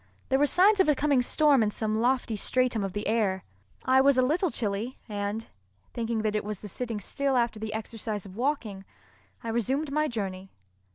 There were signs of a coming storm in some lofty stratum of the air. I was a little chilly, and, thinking that it was the sitting still after the exercise of walking, I resumed my journey.